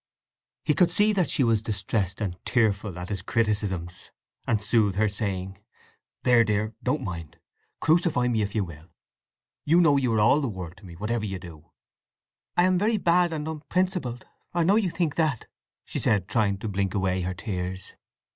He could see that she was distressed and tearful at his criticisms, and soothed her, saying: "There, dear; don't mind! Crucify me, if you will! You know you are all the world to me, whatever you do!" "I am very bad and unprincipled—I know you think that!" she said, trying to blink away her tears.